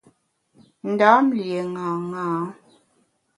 Ndam lié ṅaṅâ.